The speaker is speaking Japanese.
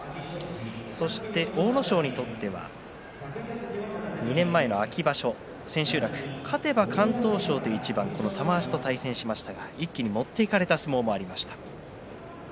そして阿武咲にとっては２年前の秋場所千秋楽、勝てば敢闘賞という一番この玉鷲と対戦しましたが一気に持っていかれた相撲がありました。